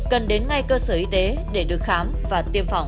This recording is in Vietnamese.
cần đến ngay cơ sở y tế để được khám và tiêm phòng